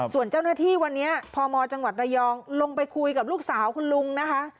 ส่วนเจ้าหน้าที่วันนี้พมจังหวัดระยองลงไปคุยกับลูกสาวคุณลุงนะคะ